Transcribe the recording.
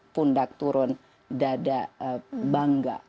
pundak turun dada bangga